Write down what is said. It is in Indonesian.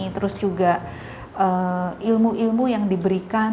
terus juga ilmu ilmu yang diberikan